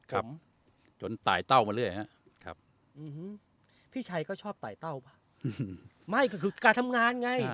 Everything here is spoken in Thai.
ครับจนตายเต้ามาเรื่อยฮะครับพี่ชัยก็ชอบตายเต้าป่ะไม่ก็คือการทำงานไง